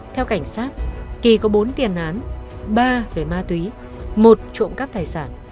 theo cảnh sát kỳ có bốn tiền án ba về ma túy một trộm cắp tài sản